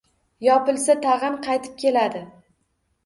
Yopilsa — tag‘in qaytib keldi.